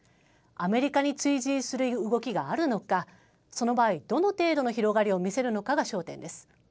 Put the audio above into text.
アメリカに追随する動きがあるのか、その場合、どの程度の広がりを見せるのかが焦点です。